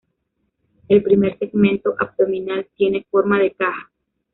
El primer segmento abdominal tiene forma de caja.